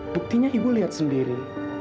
buktinya ibu lihat sendiri